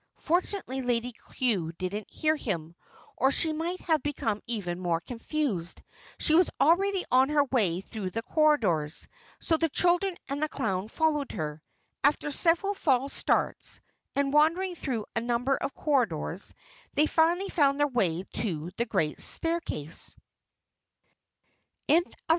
Fortunately Lady Cue didn't hear him, or she might have become even more confused. She was already on her way through the corridors, so the children and the clown followed her. After several false starts, and wandering through a number of corridors, they finally found their way to the great staircase.